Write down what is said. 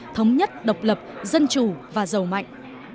thống nhất độc lập dân chủ và giàu mạnh